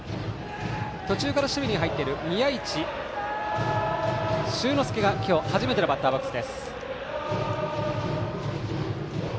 途中から守備に入っている宮一柊之介が今日初めてのバッターボックス。